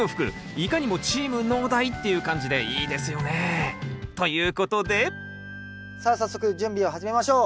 いかにもチーム農大っていう感じでいいですよね。ということでさあ早速準備を始めましょう。